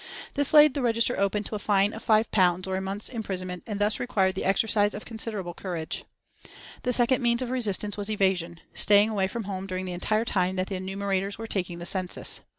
This laid the register open to a fine of £5 or a month's imprisonment, and thus required the exercise of considerable courage. The second means of resistance was evasion staying away from home during the entire time that the enumerators were taking the census.